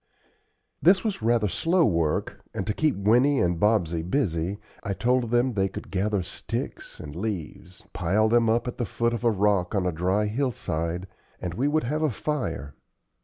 This was rather slow work, and to keep Winnie and Bobsey busy I told them they could gather sticks and leaves, pile them up at the foot of a rock on a dry hillside, and we would have a fire.